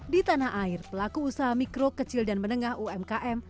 di tanah air pelaku usaha mikro kecil dan menengah umkm